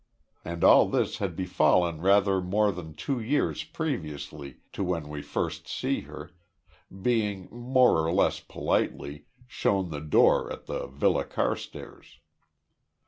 And all this had befallen rather more than two years previously to when we first see her, being, more or less politely, shown the door at the Villa Carstairs.